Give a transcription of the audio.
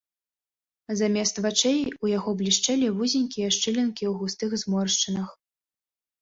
Замест вачэй у яго блішчэлі вузенькія шчылінкі ў густых зморшчынах.